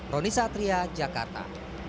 roni satria jakarta